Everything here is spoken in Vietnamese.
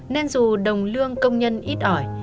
nên dù đồng lương công nhân ít ỏi